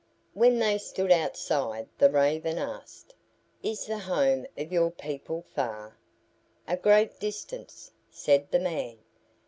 When they stood outside the Raven asked, "Is the home of your people far?" "A great distance," said the man.